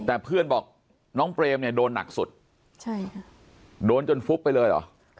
แต่เพื่อนบอกน้องเปรมเนี่ยโดนหนักสุดใช่ค่ะโดนจนฟุบไปเลยเหรอ